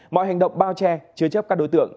mọi hành động bao che chứa chấp các đối tượng